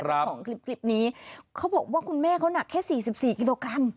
ของกลิบนี้เขาบอกว่าคุณแม่เขานักแค่๔๔กิโลกรัม